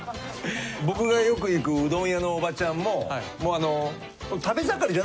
僕がよく行くうどん屋のおばちゃんも。